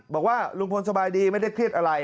บอกว่าลุงพลสบายดีไม่ได้เครียดอะไร